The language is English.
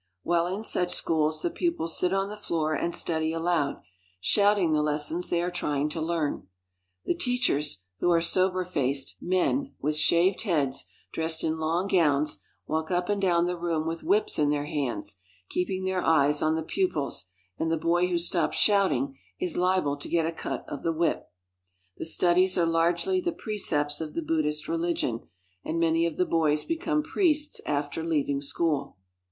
While in such schools the pupils sit on the floor and study aloud, shouting the lessons they are trying to learn. The teachers, who are sober faced men, with shaved heads, dressed in long gowns, walk up and down the room with whips in their hands, keeping their eyes on the pupils, and the boy who stops shouting is liable to get a cut of the whip. The Class of Burmese Girls. Studies are largely the precepts of the Buddhist religion, and many of the boys become priests after leaving school.